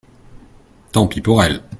Tant pis pour elles.